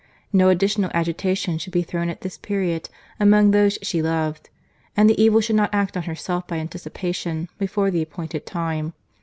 No additional agitation should be thrown at this period among those she loved—and the evil should not act on herself by anticipation before the appointed time.